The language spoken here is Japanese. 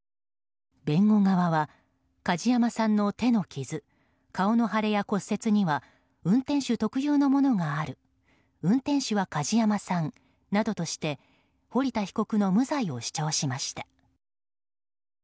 弁護側は梶山さんの手の傷顔の腫れや骨折には運転手特有のものがある運転手は梶山さんなどとして堀田被告の無罪を主張しました。